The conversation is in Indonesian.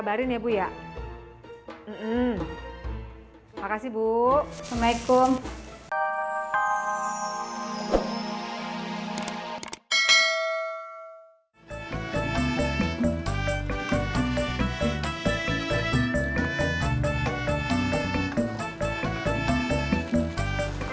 terima kasih ya